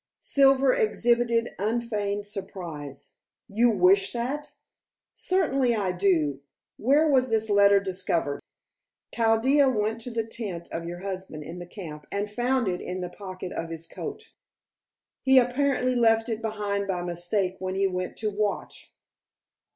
Silver exhibited unfeigned surprise. "You wish that?" "Certainly I do. Where was this letter discovered?" "Chaldea went to the tent of your husband in the camp and found it in the pocket of his coat. He apparently left it behind by mistake when he went to watch."